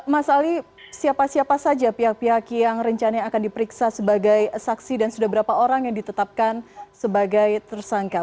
mas ali siapa siapa saja pihak pihak yang rencananya akan diperiksa sebagai saksi dan sudah berapa orang yang ditetapkan sebagai tersangka